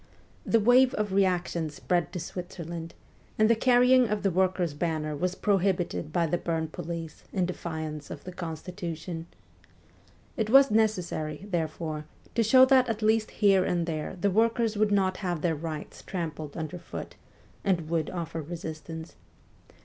The wave of reaction spread to Switzerland, and the carrying of the workers' banner was prohibited by the Bern police in defiance of the constitution. It was necessary, therefore, to show that at least here and there the workers would not have their rights trampled underfoot, and would offer resistance.